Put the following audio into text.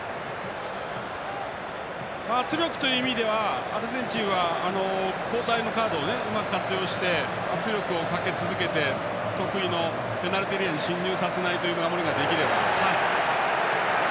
圧力という意味ではアルゼンチンは交代のカードをうまく活用して圧力をかけ続けて得意のペナルティーエリアに進入させない守りができれば。